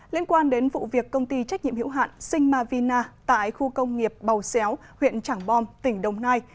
liên quan đến vụ việc công ty trách nhiệm hữu hạn sinh mavina tại khu công nghiệp bầu xéo huyện trảng bom tỉnh đồng nai